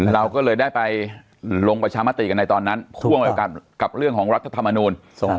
เราก็เลยได้ไปลงประชามติกันในตอนนั้นพ่วงกับเรื่องของรัฐธรรมนูล